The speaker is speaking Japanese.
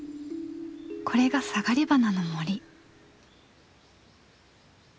これがサガリバナの森。